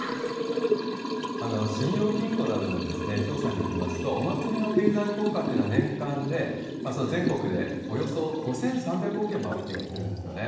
信用金庫などの調査によりますと、お祭りの経済効果っていうのは、年間で、全国でおよそ５３００億円もあるといわれてるんですよね。